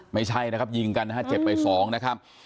ไม่ใช่นะครับยิงกันนะฮะเจ็บไปสองนะครับ